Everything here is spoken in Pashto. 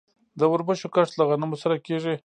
د وربشو کښت له غنمو سره کیږي.